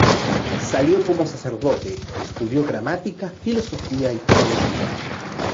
Salió como sacerdote, estudió gramática, filosofía y teología.